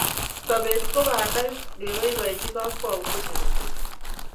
Sobet ko banda ngeboibochi kakwautiet age tugul